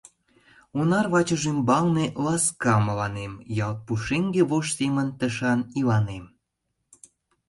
Онар вачыж ӱмбалне ласка мыланем, ялт пушеҥге вож семын тышан иланем.